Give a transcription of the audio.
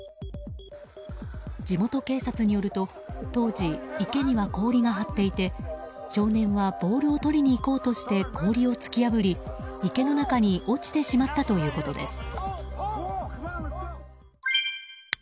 地元警察によると当時、池には氷が張っていて少年はボールを取りに行こうとして氷を突き破り池の中に落ちてしまったということです。